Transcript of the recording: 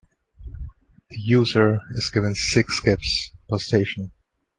The user is given six skips per station.